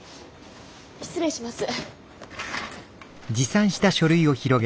失礼します。